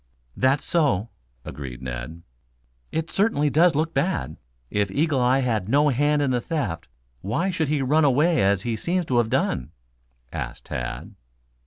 "That's so," agreed Ned. "It certainly does look bad. If Eagle eye had no hand in the theft, why should he run away as he seems to have done?" asked Tad.